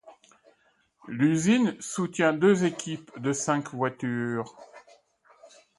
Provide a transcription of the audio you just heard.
L'usine soutient deux équipes de cinq voitures.